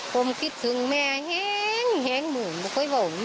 ผมคิดถึงแม่แห้งแห้งหมูบอกว่าแม่จับเจีย